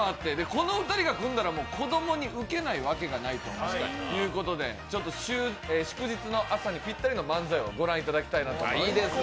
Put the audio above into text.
この２人が組んだら子供にウケないわけがないということで祝日の朝にぴったりの漫才をご覧いただきたいと思います。